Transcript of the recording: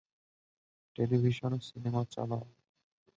টেলিভিশলে cinema চালাও।